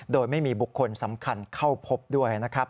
โดยไม่มีบุคคลสำคัญเข้าพบด้วยนะครับ